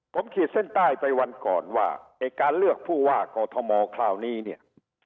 ผมขีดเส้นใต้ไปวันก่อนว่าไอ้การเลือกผู้ว่ากอทมคราวนี้เนี่ย